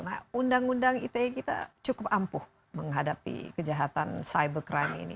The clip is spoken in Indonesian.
nah undang undang ite kita cukup ampuh menghadapi kejahatan cyber crime ini